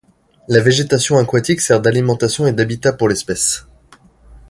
La végétation aquatique sert d'alimentation et d'habitat pour l'espèce.